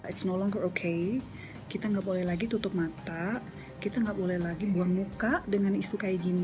it's no longer okay kita gak boleh lagi tutup mata kita gak boleh lagi buang muka dengan istri kayak gini